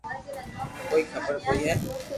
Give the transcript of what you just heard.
منو ڪوئي خبر ڪوئي ھي